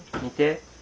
見て。